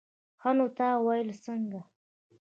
ښه نو تا ويل څنگه.